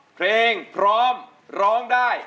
เพลงพร้อมร้องได้